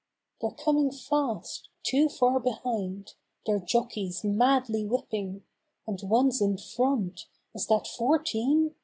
They're coming fast! Two far behind; their jockeys madly whipping And one's in front—is that Fourteen?